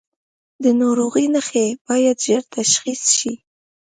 د ناروغۍ نښې باید ژر تشخیص شي.